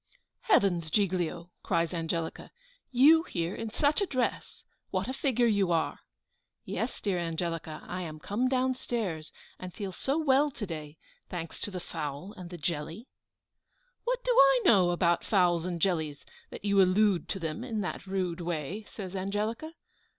"Heavens, Giglio!" cried Angelica; "you here in such a dress! What a figure you are!" "Yes, dear Angelica, I am come down stairs, and feel so well to day, thanks to the fowl and the jelly." "What do I know about fowls and jellies, that you allude to them in that rude way?" says Angelica.